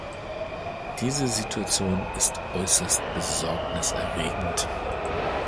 Diese Situation ist äußerst besorgniserregend.